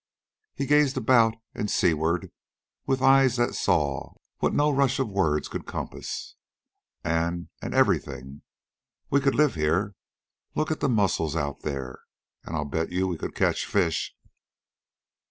He gazed about and seaward with eyes that saw what no rush of words could compass. "... An', an' everything. We could live here. Look at the mussels out there. An' I bet you we could catch fish.